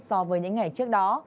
so với những ngày trước đó